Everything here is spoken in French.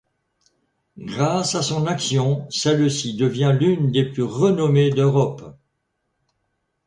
Grâce à son action, celle-ci devient l’une des plus renommées d’Europe.